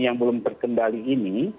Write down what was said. yang belum terkendali ini